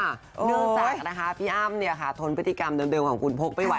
เนื่องจากพี่อ้ำเนี่ยค่ะทนพฤติกรรมเดินของคุณโภคไปไว้